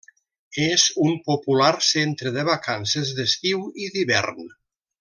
És un popular centre de vacances d'estiu i d'hivern.